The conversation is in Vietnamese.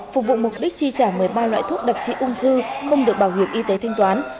phục vụ mục đích chi trả một mươi ba loại thuốc đặc trị ung thư không được bảo hiểm y tế thanh toán